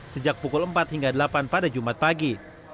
sejak pukul empat hingga delapan pada jumat pagi